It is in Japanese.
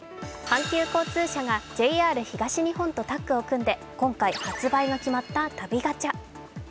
阪急交通社がＪＲ東日本とタッグを組んで今回、発売が決まった旅ガチャ。